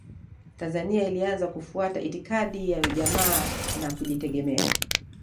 Tanzania ilianza kufuata itikadi ya ujamaa na kujitegemea